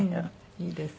いいです。